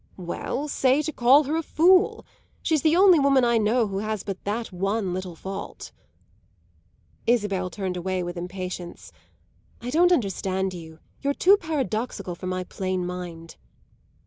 "Well, say to call her a fool! She's the only woman I know who has but that one little fault." Isabel turned away with impatience. "I don't understand you; you're too paradoxical for my plain mind."